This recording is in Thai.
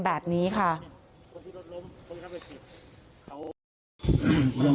ศพที่สอง